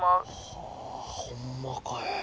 はあほんまかえ？